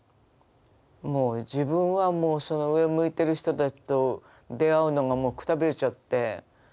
もう自分はもうその上を向いてる人たちと出会うのがもうくたびれちゃって。